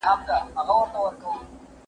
مرګ د ژوند وروستی حقیقت دی.